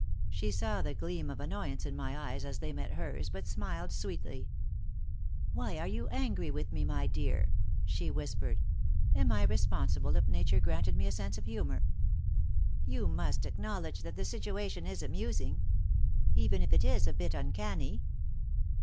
She saw the gleam of annoyance in my eyes as they met hers, but smiled, sweetly. "Why are you angry with me, my dear?" she whispered. "Am I responsible if nature granted me a sense of humor? You must acknowledge that the situation is amusing even if it is a bit uncanny."